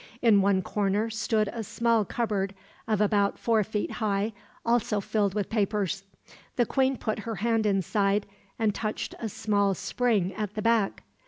In one corner stood a small cupboard of about four feet high, also filled with papers. The queen put her hand inside, and touched a small spring at the back.